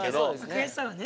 悔しさはね。